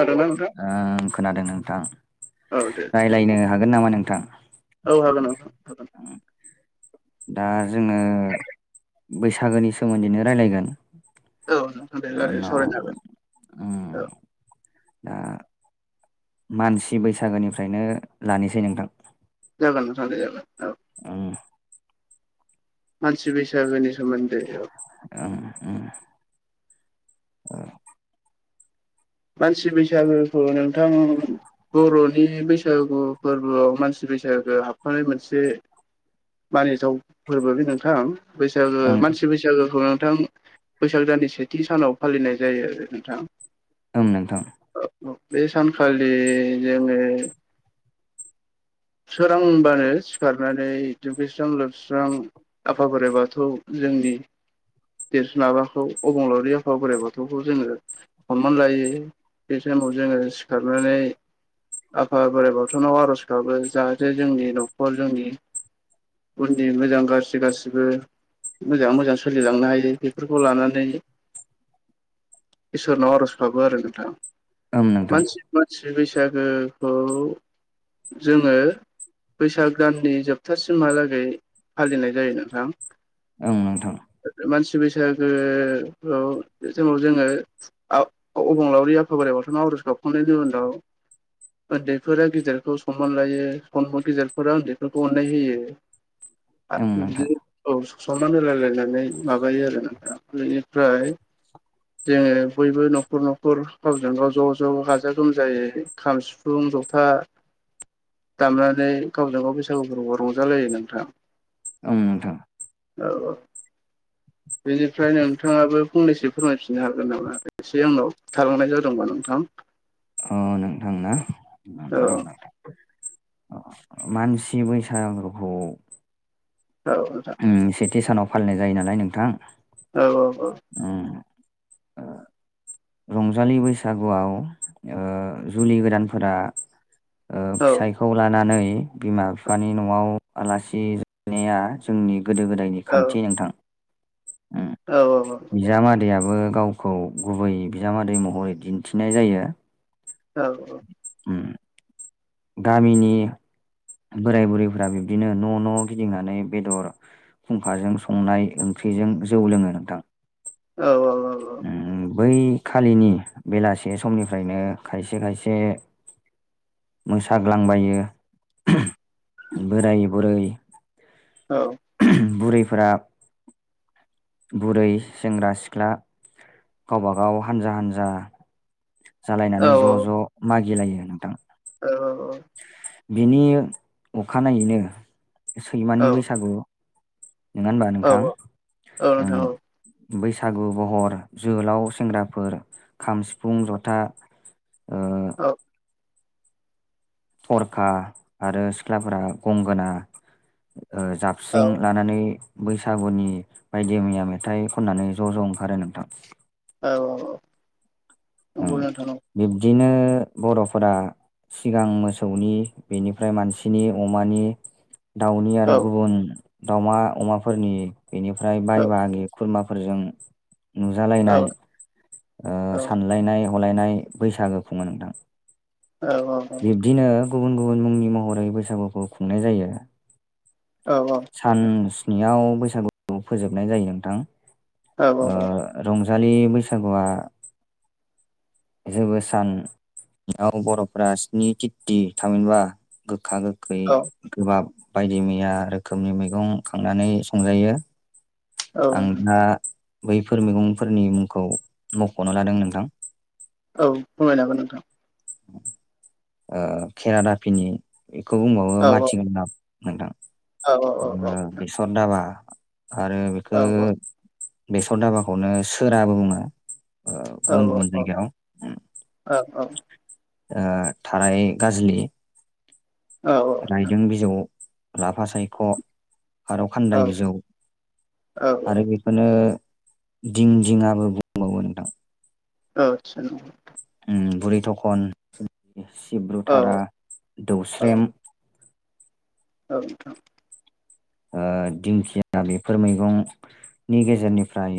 ओ नोंथां खोनादों नोंथां। औ दे नोंथां रायलायनो हागोन नामा नोंथां? औ हागोन औ हागोन। दा जोङो बैसागोनि सोमोन्दैनो रायलायगोन। औ नोंथां दे रायलायनो न'आव सावरायनो हागोन औ ओम दा मानसि बैसागोनिफ्रायनो लानोसै नोंथां। जागोन नोंथां दे जागोन औ उम मानसि बैसागोनि सोमोनदै ओम ओम उम मानसि बैसागुखौ नोंथां बर'नि बैसागु फोरबोआव मानसि बैसागोखौ हाबफानाय मोनसे मानिथाव फोरबो बे नोंथां। बैसागो ओं मानसि बैसागुखौ नोंथां बैसाग दाननि सेथि सानाव फालिनाय जायो नोंथां ओं नोंथां बे सानखालि जोङो सोरांबानो सिखारनानै दुगैस्रां लोबस्रां आफा बोराइबाथौ जोंनि देरसिध माबाखौ अबंलावरि आफा बोराइ बाथौखौ जोङो हनमान लायो बे टाइमाव जोङो सिखारनानै आफा बोराइ बाथौनाव आर'ज गाबो। जाहाथे जोंनि न'खर जोंनि उननि मोजां गाज्रि गासिबो मोजाङ मोजां सोलिलां थनो हायो बेफोरखौ लानानै इसोरनाव आर'ज गाबो आरो नोंथां। ओं नोंथां मानसि मानसि बैसागोखौ जोङो बैसाग दाननि जोबथासिमहालागै फालिनाय जायो नोंथां ओं नोंथां मानसि बैसागो आव जोङो अबंलावरि आफा बोर बाथौ नाव आर'ज गाबखांनायनि उनाव उन्दैफोरा गिदेरखौ सनमान लायो गिदेरफोरा उन्दैफोरखौ अननाय होयो ओं आरो नोंथां बिदिनो औ समान होलायलायनानै माबायो आरो नोंथां। बेनिफ्राय जे बयबो न'खर न'खर गावजों गाव ज' ज' गाजा गोमजायै खाम सिफुं खाम जथा दामनानै गावजों गाव बैसागु फोरबो रंजालायो नोंथां। औं नोंथां औ औ बेनिफ्राय नोंथाङाबो फंनैसो फोरमायफिननो हागोन नामा? एसे आंनाव थालांनाय जादोंबा नोंथां अ नोंथांना औ र नोंथां अ मानसि बैसागुखौ नोंथां सेथि सानाव फालिनाय जायो नालाय नोंथां। औ औ उम रंजालि बैसागुआव ओ जुलि गोदानफोरा ओ औ फिसाइखौ लानानै बिमा बिफानि न'आव आलासि जाहैनाया जोंनि गोदो गोदायनि खान्थि नोंथां औ औ औ बो गावखौ गुबै बिजामादै महरै दिन्थिनाय जायो औ औ उम गामिनि बोराय बुरैफोरा बिब्दिनो न' न' गिदिंनानै बेदर खुंखाजों संनाय ओंख्रि बेजों जौ लोङो नोंथां औ औ उम औ बै खालिनि बेलासे समनिफ्रायनो खायसे खायसे मोसाग्लांबायो बोराय बुरै औ फोरा बुरै सेंग्रा सिख्ला गावबागाव हानजा हानजा। जालायनानै ज' ज' मागिलायो नोंथां। औ औ औ बेनि अखानायैनो सैमानि बैसागु नङा होनबा औ नोंथां ओं बैसागु बहर जोहोलाव सेंग्राफोर खाम सिफुं जथा ओ औ थरखा आरो सिख्लाफोरा गंगोना ओ जाबस्रिं लानानै बैसागुनि बायदि मैया मेथाइ खननानै ज' ज' ओंखारो नोंथां। औ औ औ नंगौ नोंथां औ दिनो बर'फोरा सिगां मोसौनि बेनिफ्राय मानसिनि अमानि दाउनि आरो गुबुन दाउमा अमाफोरनि बेनिफ्राय बाय बाहागि खुरमाफोरजों नुजालायनाय ओ सानलायनाय हलायनाय बैसागो खुङो नोंथां। औ औ औ बिब्दिनो गुबुन गुबुन मुंनि महरै बैसागुखौ खुंनाय जायो सान नियाव बैसागु फोजोबनाय जायो नोंथां औ ओ रंजालि बैसागुआ जेबो सानाव बर' फोरा स्नि तिथि थामहिनबा गोखा गोखै औ गोबाब बायदि मैया रोखोमनि मैगं खांनानै संजायो। आं दा बैफोर मैगंफोरनि मुंखौ मख'नो लादों नोंथां। औ फोरमायनो हागोन नोंथां ओ केेरादापिनि बेखौ बुंबावो औ माथिगालदाब औ नोंथां। बेसर दाबा आरो बेखौ औ बेसर दाबाखौनो सोराबो बुंङो। औ गुबुन औ गुबुन बिगा औ औ थिगानो ओ थाराय गाजलि औ नोंथां रायदों बिजौ लाफा सायख' खारौ खान्दाय बिजौ औ आरो बेखौनो दिं दिंआबो बुंबावो नोंथां। ओ आदसा उम बुरि थखन सिब्रुथारा दौस्रेम। औ नोंथां ओ दिंखिया बेफोर मैगंनि गेजेरनिफ्राय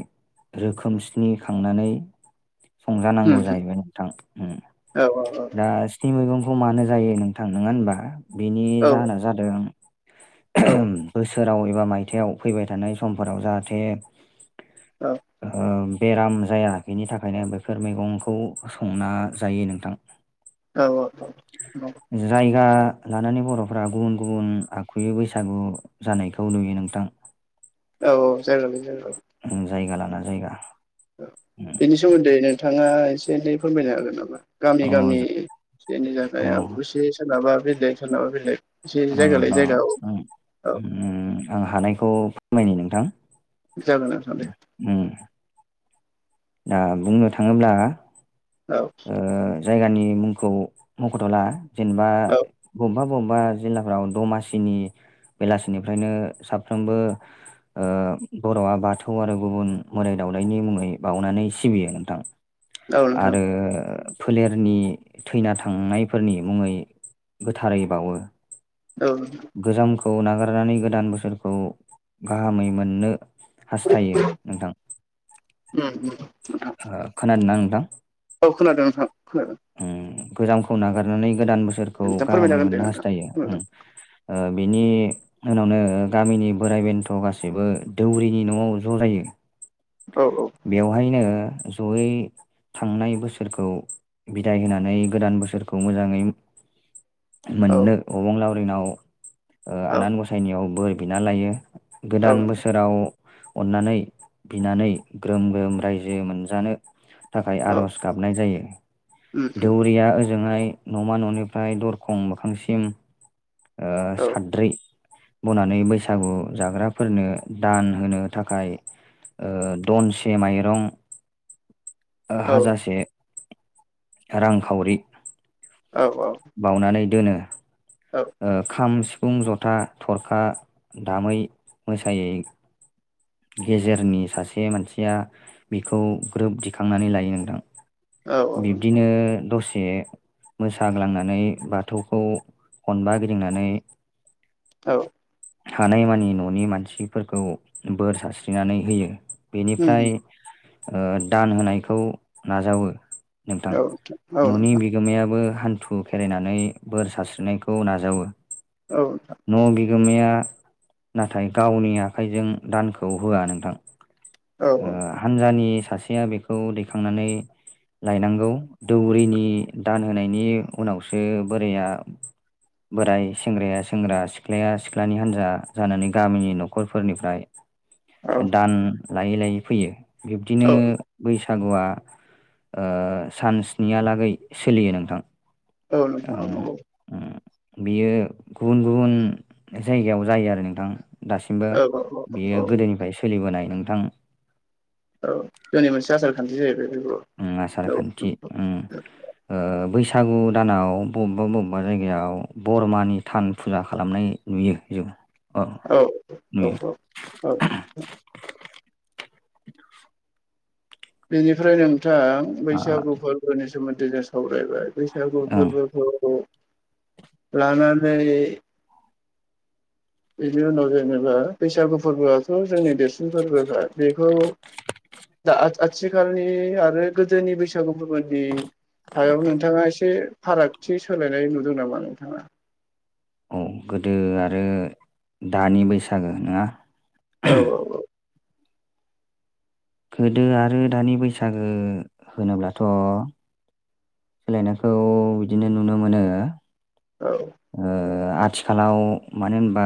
रोखोम स्नि खांनानै संजानांगौ जाहैबाय नोंथां उम दा स्नि मैगं खौ मानो जायो नोंथां नंङा होनबा बिनि औ जाहोना जादों। औ बोसो सोराव एबा मायथायाइाव फैबाय थानाय समफोराव जाहाथे औ ओम बेराम जाया बेनि थाखायनो बेैफोर मैगंखौ संना जायो नोंथां। औ औ औ औ जायगा लानानै बर'फोरा गुबुन गुबुन आखुयै बैसागु जानायखौ नुयो नोंथां। औ जायगा लायै जायगा औ उम जायगा लाना जायगा ओ बेनि सोमोन्दै नोंथाङा एसे एनै फोरमायनो हागोन नामा? गामि गामि अ बेनि थाखाय अ [unintelligible] से सोरनाबा बेलेग सोरनाबा बेलेग एसे अ जायगा र' लायै आं जायगा औ औ उम आं हानायखौ फोरमायनि नोंथां। जागोन नोंथां दे उम दा बुंनो थाङोब्ला औ ओ जायगानि मुंखौ मखथ'ला जेनेबा औ बबबाब बबेबा जिल्लाफ्राव दमासिनि बेलासिनिफ्रायनो साफ्रोमबो ओ बर'वा बाथौ आरो गुबुन मोदाइ दाव बावनायनि मुङै बाउनानै सिबियो नोंथां। औ नोंथां। ओ फोलेरनि थैना थांनायफोरनि मुङै गोथारै बाउवो औ नोंथां। खौ नागारनानै गोदान बोसोरखौ गाहामै मोननो हास्थायो नोंथां उम नोंथां ओ खोनादों ना नोंथां? औ खोनादों नोंथां खोनादों। उम गोजामखौ नागारनानै गोदान बोसोरखौ नोंथां फोरमायनो गाहामै हागोन दे मोननो नोंथां हास्थायो उम खोनादों ओ बेनि [unintelligible] उनावनो गामिनि बोराइ बेन्थ' गासैबो दौरिनि न'आव ज' जायो। औ बेवहायनो जयै थांनाय बोसोरखौ बिदाय होनानै गोदान बोसोरखौ मोजाङै मो औ मोननो अबं लावरिनाव ओ औ आनान गसाइनियाव बोर बिना लायो। गोदान औ बोसोराव अननानै बिनानै ग्रोम ग्रोम रायजो मोनजानो थाखाय औ आर'ज गाबनाय जायो उम उम दौरिया ओज ओजोंहाय न'मा न'निफ्राय दरखं मोखांसिम ओ औ साद्रै बनानै बैसागु जाग्राफोरनो दान होनो थाखाय ओ दनसे माइरं ओ औ हाजासे रां खावरि औ औ दोनो औ ओ खाम सिफ फुं जथा, थरखा दामै मोसायै गेजेरनि सासे मानसिया बिखौ ग्रोब दिखांनानै लायो नोंथां। औ बिब्दिनो दसे मोसाग्लांनानै बाथौखौ खनबा गिदिंनानै औ हानायमानि न'नि मानसिफोरखौ बोर सारस्रिनानै होयो। उम बेनिफ्राय ओ दान होनायखौ नाजावो। नोंथां औ औ न'नि नोंथां बिगोमायाबो हान्थु खेरायनानै बोर सारस्रिनायखौ नाजावो। औ नोंथां। न' बिगोमाया नाथाय गावनि आखाइजों दानखौ होआ नोंथां। औ ओ हानजानि सासेया बेखौ दैखांनानै लायनांगौ दौरिनि दान होनायनि उनावसो बोराइया बोराय सेंग्राया सेंग्रा सिख्लाया सिख्लानि हान्जा जानानै गामिनि न'खरफोरनिफ्राय औ ओ दान लायै लायै फैयो बिब्दिनो औ बैसागुवा ओ सानस्नि हालागै सोलियो नोंथां। औ नोंथां औ ओं नंगौ उम बियो गुबुन गुबुन जायगायाव जायो आरो नोंथां दासिमबो औ औ औ औ बियो गोदोनिफ्राय सोलिबोनाय नोंथां औ जोंनि मोनसे आसार खान्थि जाहैबाय बेबो औ ओम आसार खान्थि ओम ओ बैसा गु दानाव बबेबा बबेबा जायगायाव बरमानि थान फुजा खालामनाय नुयो जों औ औ नुयो औ औ औ बेनिफ्राय नोंथां ओ बैसागु फोरबोनि सोमोन्दै जों सावराय बैसागु ओं फोरबो लानानै बेनि उनाव जेनेबा बैसागु फोरबोआथ' जोंनि देरसिन फोरबोखा बेखौ दा आथिखालनि आरो गोदोनि बैसागु फोरबोदि सायाव नोंथाङा एसे फारागथि सोलायनाय नुदों नामा नोंथाङा औ गोदो आरो दानि बैसागो नङा औ औ औ गोदो आरो दानि बैसागो होनोब्लाथ' सोलायनायखौ बिदिनो नुनो मोनो औ आथिखालाव मानो होनबा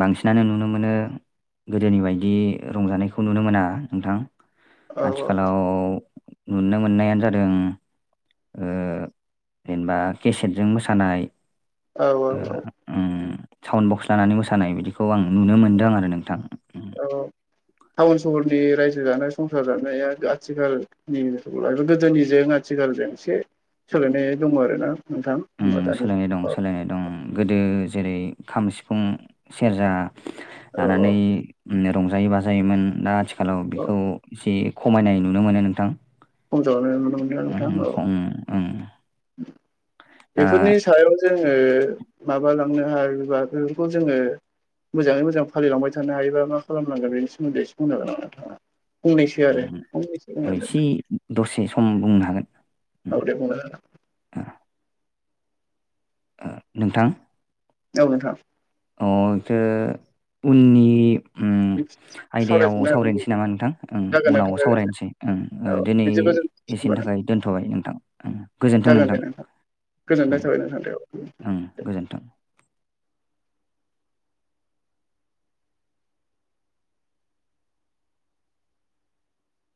बांसिनानो नुनो मोनो गोदोनि बायदि रंजानायखौ नुनो मोना नोंथां औ औ आथिखालाव नुनो मोननायानो जादों ओ जेनेबा केसेटजों मोसानाय औ औ ओ औ उम साउन्ड बक्स लानानै मोसानाय बिदिखौ आं नुनो मोन्दों आरो नोंथां उम औ टाउन सहरनि रायजो जानाय संसार जानाया आथिखालनि गोदोनि ज आथि आथिखालजों एसे सोलायनाय दङ आरोना नोंथां होमबा दानि सोलायनाय दं औ सोलायनाय दं गोदो जेरै खाम सिफुं सेरजा औ लानानै रंजायो बाजायोमोन दा आथिखालाव औ बेखौ एसे खमायनाय नुनो मोनो नोंथां खम जालांनाय नुनो मोनदों ना नोंथां उम औ खम उम दा बेफोरनि सायाव जों ओ माबालांनो हायोबा बेफोरखौ जोङो मोजाङै मोजां फालिलांबाय थानो हायोबा मा खालामनांगोन बेनि सोमोन्दै एसे बुंनांगोन नोंथाङा फंनैसो उम आरो एसे दसे सम बुंनो हागोन औ उम दे बुंनो हागोन ओ नोंथां औ नोथां अ [unintelligible] उननि उम आयदायाव सावरायफिननो हागोन सावरायनोसै नामा नोंथां जागोन नोंथां उनाव जागोन सावरायनोसै औ दिनै बिदिब्ला जों होनबा एसेनि थाखाय दोनथ'बाय नोंथां गोजोनथों जागोन नोंथां दे गोजोननाय ओं थाबाय नोंथां दे औ ओं गोजोन्थों।